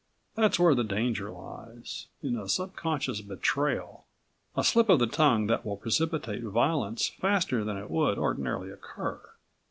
That's where the danger lies, in a subconscious betrayal, a slip of the tongue that will precipitate violence faster than it would ordinarily occur.